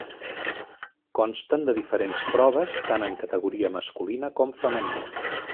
Consten de diferents proves tant en categoria masculina com femenina.